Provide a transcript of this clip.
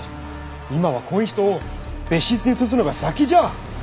今はこん人を別室に移すのが先じゃ！